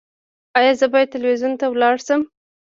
ایا زه باید تلویزیون ته لاړ شم؟